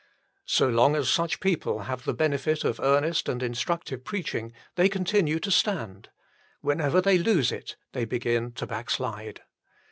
So long as such people have the benefit of earnest and instructive preaching, they con tinue to stand ; whenever they lose it, they begin to backslide.